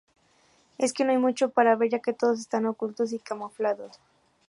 Es que no hay mucho para ver, ya que todos están ocultos y camuflados".